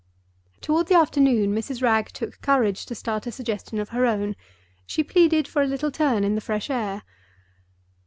Toward the afternoon Mrs. Wragge took courage to start a suggestion of her own—she pleaded for a little turn in the fresh air.